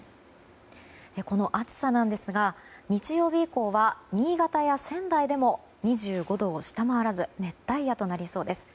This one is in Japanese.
この暑さなんですが日曜日以降は新潟や仙台でも２５度を下回らず熱帯夜となりそうです。